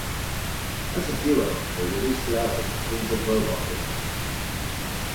As a duo, they released the album "Kings of Robot Rhythm".